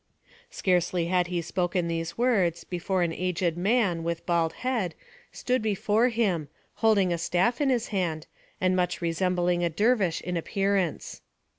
Scarcely had he spoken these words, before an aged man, with bald head, stood before him, holding a staff in his hand, and much resembling a dervish in appearance.